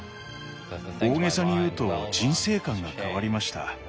大げさに言うと人生観が変わりました。